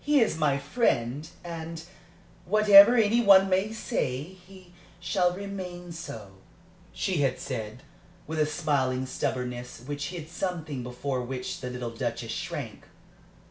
"He is my friend, and whatever any one may say, he shall remain so," she had said, with a smiling stubbornness which hid something before which the little Duchess shrank.